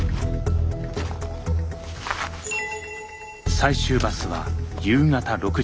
最終バスは夕方６時。